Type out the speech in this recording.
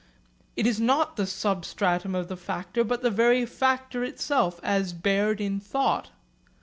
It is not the substratum of the factor, but the very factor itself as bared in thought.